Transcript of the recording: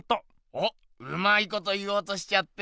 おっうまいこと言おうとしちゃって。